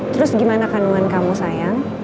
terus gimana kandungan kamu sayang